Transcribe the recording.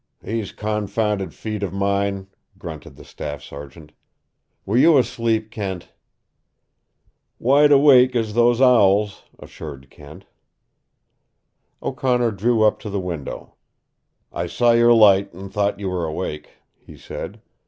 "These confounded feet of mine!" grunted the staff sergeant. "Were you asleep, Kent?" "Wide awake as those owls," assured Kent. O'Connor drew up to the window. "I saw your light and thought you were awake," he said.